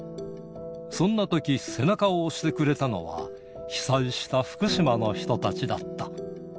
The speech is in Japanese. そんなとき、背中を押してくれたのは、被災した福島の人たちだった。